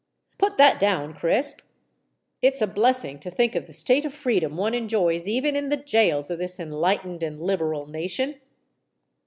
"Put that down, Crisp. It's a blessing to think of the state of freedom one enjoys even in the gaols of this enlightened and liberal nation."